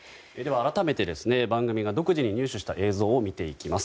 改めて番組が独自に入手した映像を見ていきます。